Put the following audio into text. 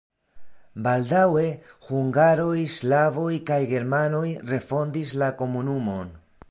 Baldaŭe hungaroj, slavoj kaj germanoj refondis la komunumon.